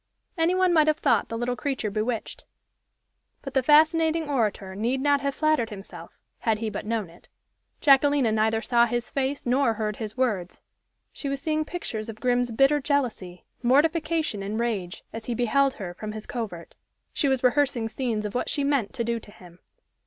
Any one might have thought the little creature bewitched. But the fascinating orator need not have flattered himself had he but known it Jacquelina neither saw his face nor heard his words; she was seeing pictures of Grim's bitter jealousy, mortification and rage, as he beheld her from his covert; she was rehearsing scenes of what she meant to do to him.